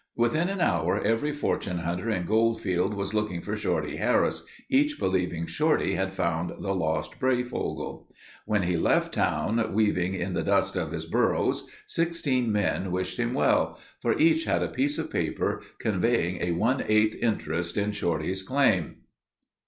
Within an hour every fortune hunter in Goldfield was looking for Shorty Harris, each believing Shorty had found the Lost Breyfogle. When he left town, weaving in the dust of his burros, sixteen men wished him well, for each had a piece of paper conveying a one eighth interest in Shorty's claim.